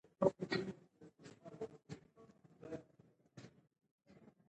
د استاد په هره خبره کي د ټول ژوند د تجربو خلاصه موجوده وي.